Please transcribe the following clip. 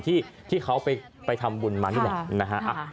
ที่เขาไปทำบุญมาดูนะครับ